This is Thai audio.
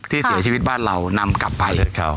ที่เสียชีวิตบ้านเรานำกลับไป